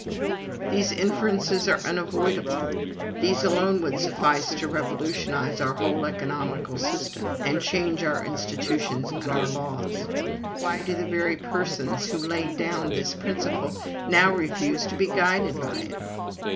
These inferences are unavoidable; these alone would suffice to revolutionize our whole economical system, and change our institutions and our laws. Why do the very persons, who laid down this principle, now refuse to be guided by it?